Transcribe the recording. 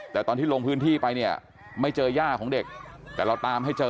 แต่ตอนที่ลงพื้นที่ไปเนี่ยไม่เจอย่าของเด็กแต่เราตามให้เจอ